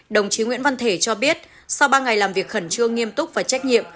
đồng chí nguyễn văn thể cho biết sau ba ngày làm việc khẩn trương nghiêm túc và trách nhiệm